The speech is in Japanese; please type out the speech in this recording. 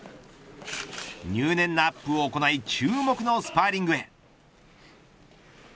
入念なアップを行い注目のスパーリングへ。